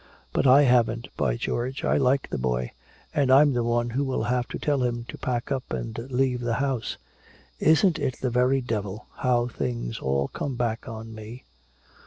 But I haven't, by George, I like the boy and I'm the one who will have to tell him to pack up and leave the house! Isn't it the very devil, how things all come back on me?"